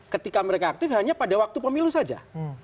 ketika mereka aktif hanya pada waktu pemilu saja